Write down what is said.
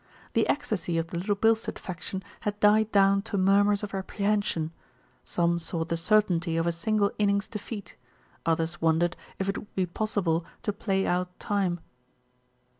The ecstasy of the Little Bilstead fac tion had died down to murmurs of apprehension : some saw the certainty of a single innings defeat; others wondered if it would be possible to play out time.